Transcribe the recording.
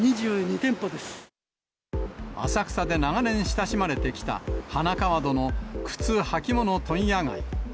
浅草で長年親しまれてきた、花川戸の靴・はきもの問屋街。